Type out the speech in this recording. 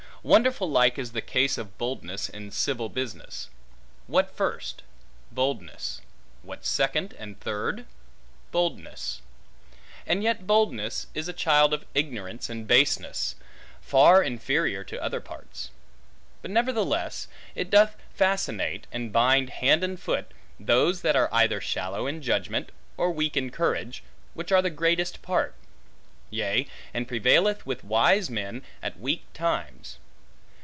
Wonderful like is the case of boldness in civil business: what first? boldness; what second and third? boldness. And yet boldness is a child of ignorance and baseness, far inferior to other parts. But nevertheless it doth fascinate, and bind hand and foot, those that are either shallow in judgment, or weak in courage, which are the greatest part; yea and prevaileth with wise men at weak times.